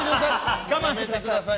我慢してください。